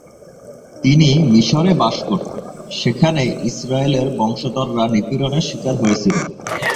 তিনি মিশরে বাস করতেন, সেখানে ইস্রায়েলের বংশধররা নিপীড়নের শিকার হয়েছিল।